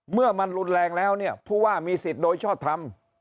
เมื่อมันรุนแรงแล้วเนี่ยผู้ว่ามีสิทธิ์โดยชอบทำ